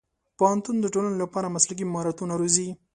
پوهنتون د ټولنې لپاره مسلکي مهارتونه روزي.